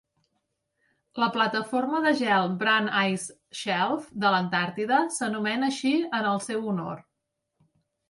La plataforma de gel Brunt Ice Shelf de l'Antàrtida s'anomena així en el seu honor.